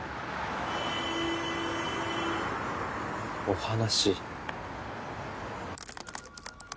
お話。